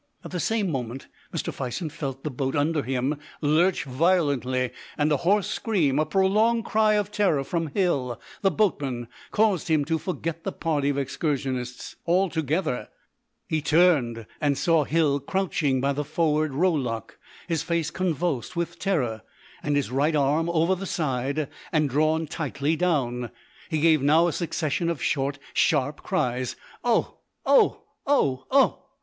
At the same moment Mr. Fison felt the boat under him lurch violently, and a hoarse scream, a prolonged cry of terror from Hill, the boatman, caused him to forget the party of excursionists altogether. He turned, and saw Hill crouching by the forward rowlock, his face convulsed with terror, and his right arm over the side and drawn tightly down. He gave now a succession of short, sharp cries, "Oh! oh! oh! oh!"